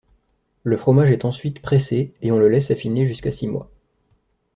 Le fromage est ensuite pressé et on le laisse affiner jusqu'à six mois.